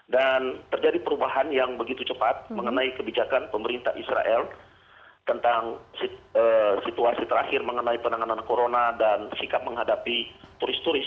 dan terjadi perubahan yang begitu cepat mengenai kebijakan pemerintah israel tentang situasi terakhir mengenai penanganan corona dan sikap menghadapi turis turis